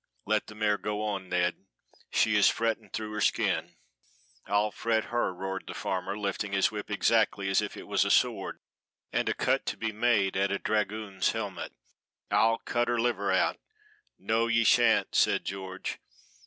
"Let the mare go on, Ned; she is fretting through her skin." "I'll fret her," roared the farmer, lifting his whip exactly as if it was a sword, and a cut to be made at a dragoon's helmet. "I'll cut her liver out." "No, ye shan't," said George.